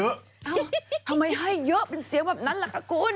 เอ้าทำไมให้เยอะเป็นเสียงแบบนั้นล่ะค่ะคุณ